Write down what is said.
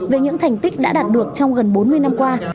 về những thành tích đã đạt được trong gần bốn mươi năm qua